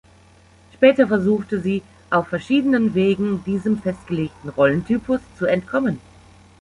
Später versuchte sie auf verschiedenen Wegen, diesem festgelegten Rollentypus zu entkommen.